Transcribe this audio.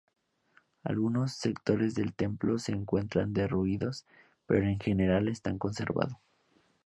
Algunos sectores del Templo se encuentran derruidos, pero en general está conservado.